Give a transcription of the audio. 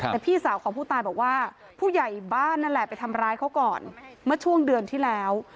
แต่พี่สาวของผู้ตายบอกว่าผู้ใหญ่บ้านนั่นแหละไปทำร้ายเขาก่อนเมื่อช่วงเดือนที่แล้ว